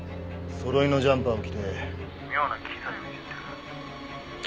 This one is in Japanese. そろいのジャンパーを着て妙な機材をいじってる。